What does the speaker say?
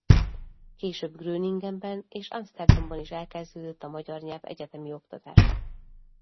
Később Groningenben és Amszterdamban is elkezdődött a magyar nyelv egyetemi oktatása.